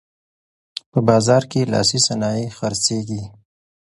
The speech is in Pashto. په بازار کې لاسي صنایع خرڅیږي.